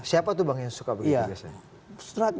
siapa tuh bang yang suka begitu biasanya